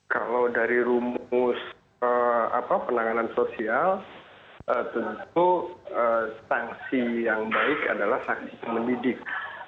kalau dari rumus penanganan sosial tentu sanksi yang baik adalah saksi yang mendidik